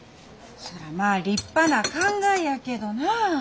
そらまあ立派な考えやけどな。